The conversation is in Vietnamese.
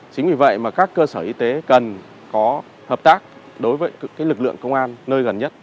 chính vì vậy mà các cơ sở y tế cần có hợp tác đối với lực lượng công an nơi gần nhất